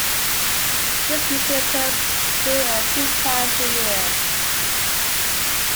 This meeting occurs two or three times a year.